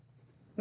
何？